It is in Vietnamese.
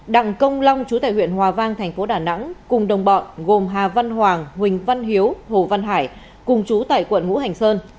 đặng công long chú tại huyện hòa vang thành phố đà nẵng cùng đồng bọn gồm hà văn hoàng huỳnh văn hiếu hồ văn hải cùng chú tại quận ngũ hành sơn